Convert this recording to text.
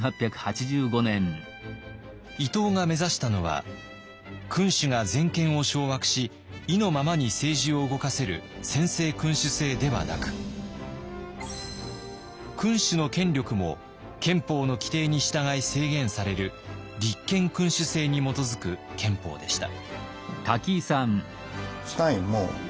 伊藤が目指したのは君主が全権を掌握し意のままに政治を動かせる専制君主制ではなく君主の権力も憲法の規定に従い制限される立憲君主制に基づく憲法でした。